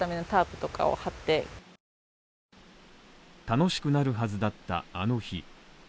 楽しくなるはずだったあの日。